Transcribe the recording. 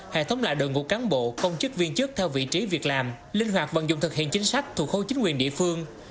hệ thống lại đội ngũ cán bộ công chức viên chức theo vị trí việc làm linh hoạt vận dụng thực hiện chính sách thuộc khu chính quyền địa phương